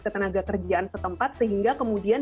ketenagakerjaan setempat sehingga kemudian